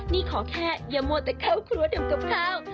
นี่ขอแค่อย่ามวดแต่ข้าวคลัวเดิมกับข้าว